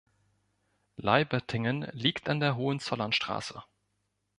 Leibertingen liegt an der Hohenzollernstraße.